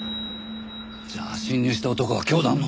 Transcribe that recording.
じゃあ侵入した男は教団の？